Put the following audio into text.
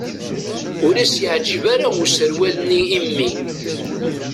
Ur as-yeɛǧib ara userwal-nni i mmi.